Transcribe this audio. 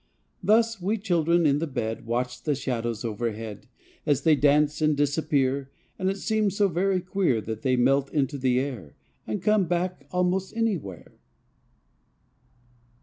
Thus we children in the bed Watch the shadows overhead As they dance and disappear And it seems so very queer That they melt into the air And come back most anywhere.